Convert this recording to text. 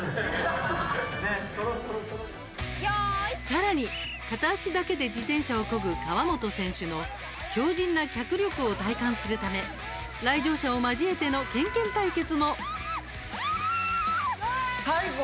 さらに、片足だけで自転車をこぐ川本選手の強じんな脚力を体感するため来場者を交えてのケンケン対決も。